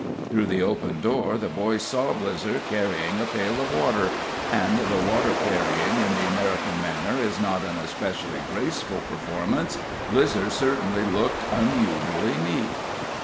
Through the open door the boys saw Blizzer carrying a pail of water; and though water carrying in the American manner is not an especially graceful performance, Blizzer certainly looked unusually neat.